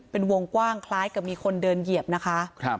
เป็นวงกว้างคล้ายกับมีคนเดินเหยียบนะคะ